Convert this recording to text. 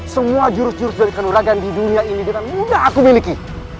semua jurus jurus dari kandungan warga di dunia ini tidak mudah aku miliki